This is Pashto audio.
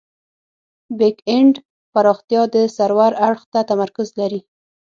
بیک اینډ پراختیا د سرور اړخ ته تمرکز لري.